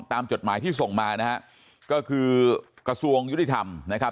จดหมายที่ส่งมานะฮะก็คือกระทรวงยุติธรรมนะครับ